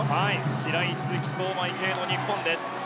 白井、鈴木相馬、池江の日本です。